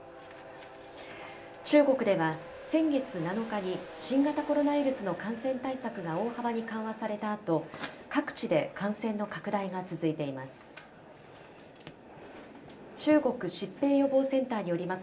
中国では、先月７日に新型コロナウイルスの感染対策が大幅に緩和されたあと、各地で感染の拡大が続いています。